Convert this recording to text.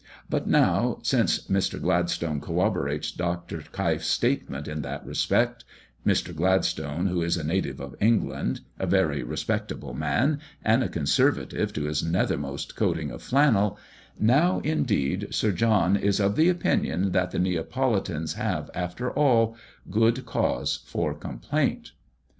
But now, since Mr. Gladstone corroborates Dr. Keif's statement in that respect Mr. Gladstone, who is a native of England, a very respectable man, and a conservative to his nethermost coating of flannel now indeed Sir John is of opinion that the Neapolitans have, after all, good cause for complaint.